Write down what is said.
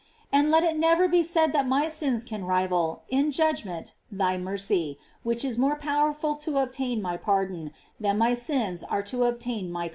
And let it never be said that my sins can rival, in the judgment, thy mercy, which is more pow erful to obtain my pardon, than my sins are to obtain my condemnation.